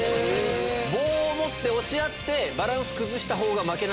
棒を持って押し合ってバランス崩したほうが負け。